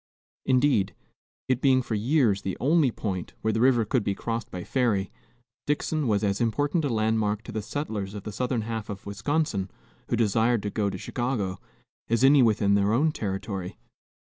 Indeed, it being for years the only point where the river could be crossed by ferry, Dixon was as important a landmark to the settlers of the southern half of Wisconsin who desired to go to Chicago, as any within their own territory.